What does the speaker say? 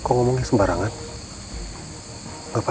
ngobrol dengan apa pak